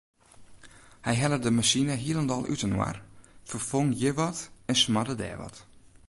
Hy helle de masine hielendal útinoar, ferfong hjir wat en smarde dêr wat.